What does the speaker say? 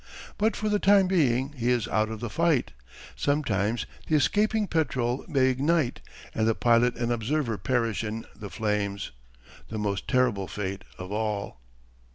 But for the time being he is out of the fight. Sometimes the escaping petrol may ignite and the pilot and observer perish in the flames the most terrible fate of all.